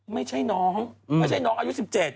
ไม่ใช่น้องไม่ใช่น้องอายุ๑๗